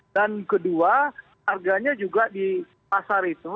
dan kedua harganya juga di pasar itu